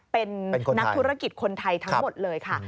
เป็นนักธุรกิจคนไทยทั้งหมดเลยค่ะ